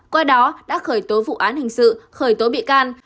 qua đó đã khởi tố vụ án hình sự khởi tố bị can